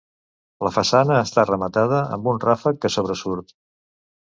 La façana està rematada amb un ràfec que sobresurt.